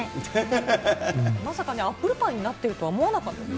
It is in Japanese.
まさかアップルパイになってるとは思わなかったですね。